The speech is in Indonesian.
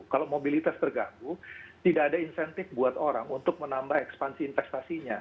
kalau mobilitas terganggu tidak ada insentif buat orang untuk menambah ekspansi investasinya